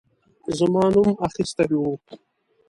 زما نوم اخیستی وو.